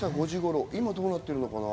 今はどうなってるのかな？